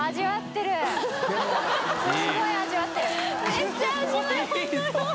めっちゃ味わう。